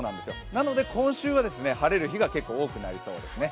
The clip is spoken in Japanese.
なので、今週は晴れる日が結構多くなりそうですね。